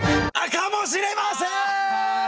かもしれません」。